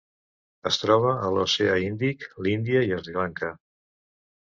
Es troba a l'Oceà Índic: l'Índia i Sri Lanka.